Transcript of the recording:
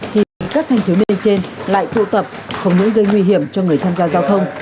thì các thanh thiếu niên trên lại tụ tập không những gây nguy hiểm cho người tham gia giao thông